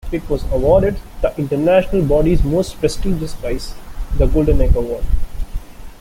It was awarded the International body's most prestigious prize, the Golden Egg Award.